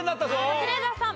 カズレーザーさん。